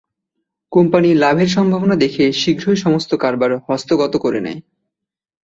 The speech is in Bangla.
কোম্পানি লাভের সম্ভাবনা দেখে শীঘ্রই সমস্ত কারবার হস্তগত করে নেয়।